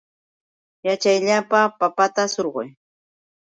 Yaćhayllapa papata surquy.